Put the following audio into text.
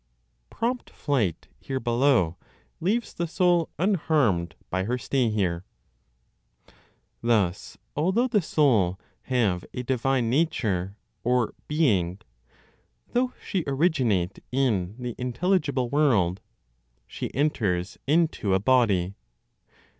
PROMPT FLIGHT HERE BELOW LEAVES THE SOUL UNHARMED BY HER STAY HERE. Thus, although the soul have a divine nature (or "being"), though she originate in the intelligible world, she enters into a body.